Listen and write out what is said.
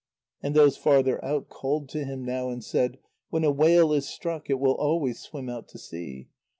And those farther out called to him now and said: "When a whale is struck it will always swim out to sea.